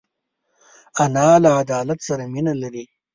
انا له عدالت سره مینه لري